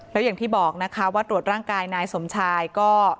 แล้วอย่างที่บอกนะคะว่าตรวจร่างกายนายสมชายก็